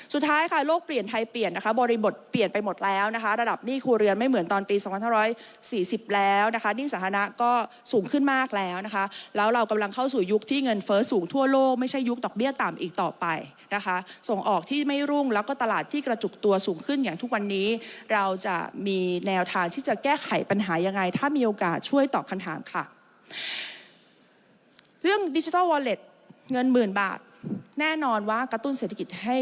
ค่ะโลกเปลี่ยนไทยเปลี่ยนนะคะบริบทเปลี่ยนไปหมดแล้วนะคะระดับหนี้ครัวเรือนไม่เหมือนตอนปี๒๕๔๐แล้วนะคะหนี้สาธารณะก็สูงขึ้นมากแล้วนะคะแล้วเรากำลังเข้าสู่ยุคที่เงินเฟ้อสูงทั่วโลกไม่ใช่ยุคดอกเบี้ยต่ำอีกต่อไปนะคะส่งออกที่ไม่รุ่งแล้วก็ตลาดที่กระจุกตัวสูงขึ้นอย่างทุกวันนี้เราจะมีแนวทางที่จะแก้ไขปัญหายังไงถ้ามีโอกาสช่วยตอบคำถามค่ะ